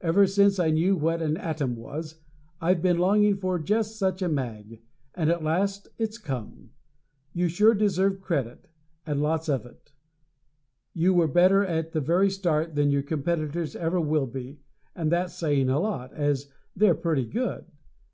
Ever since I knew what an atom was I've been longing for just such a mag, and at last it's come. You sure deserve credit, and lots of it. You were better at the very start than your competitors ever will be, and that's saying a lot, as they're pretty good.